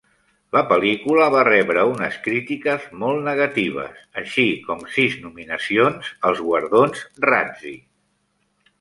La pel·lícula va rebre unes crítiques molt negatives, així com sis nominacions als guardons Razzie.